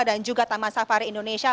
dan juga taman safari indonesia